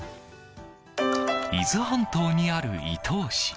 伊豆半島にある伊東市。